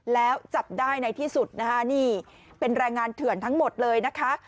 แล้วจับได้ในที่สุดนะคะนี่เป็นแรงงานเถื่อนทั้งหมดเลยนะคะ